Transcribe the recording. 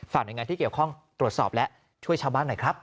หน่วยงานที่เกี่ยวข้องตรวจสอบและช่วยชาวบ้านหน่อยครับ